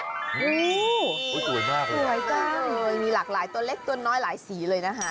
ดูสวยมากเลยสวยจ้ะมีหลากหลายตัวเล็กตัวน้อยหลายสีเลยนะฮะ